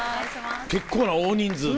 結構な大人数で。